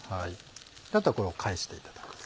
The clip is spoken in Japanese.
あとはこれを返していただくと。